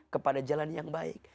kepada jalan yang baik